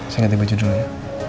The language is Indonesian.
saya nganti baju dulu ya